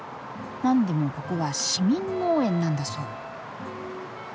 何でもここは市民農園なんだそう。